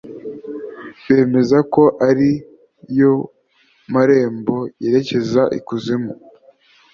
bemeza ko ari yo marembo yerekeza ikuzimu